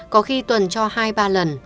có khi tuần cho hai ba lần